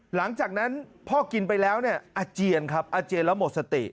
หลังจากนั้นพ่อกินไปแล้วเนี่ยอาเจียนครับอาเจียนแล้วหมดสติ